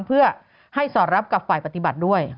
เพื่อให้สอดรับกับฝ่ายปฏิบัติด้วย